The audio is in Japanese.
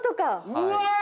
うわ！